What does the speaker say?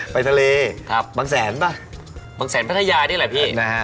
ไปทะเลบางแสนป่ะบางแสนพัทยานี่แหละพี่นะฮะ